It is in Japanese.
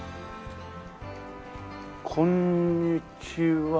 こんにちは。